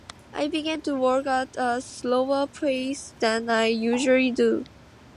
I began to work at a slower pace than I usually do.